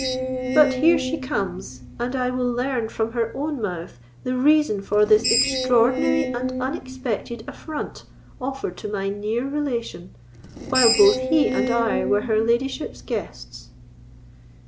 But here she comes, and I will learn from her own mouth the reason of this extraordinary and unexpected affront offered to my near relation, while both he and I were her ladyship's guests."